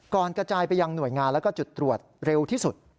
กระจายไปยังหน่วยงานแล้วก็จุดตรวจเร็วที่สุด